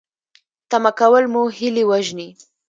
تمه کول مو هیلې وژني